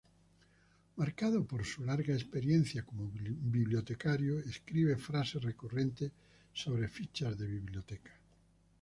Marcado por su larga experiencia como bibliotecario, escribe frases recurrentes sobre fichas de biblioteca.